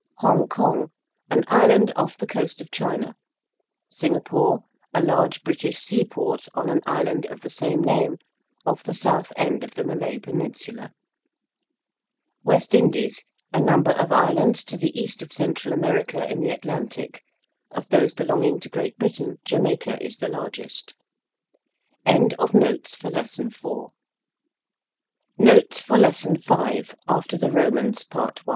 ~Hong Kong~: an island off the coast of China; ~Singapore~, a large British seaport on an island of the same name off the south end of the Malay Peninsula; ~West Indies~, a number of islands to the east of Central America in the Atlantic: of those belonging to Great Britain Jamaica is the largest. 5. AFTER THE ROMANS. PART I.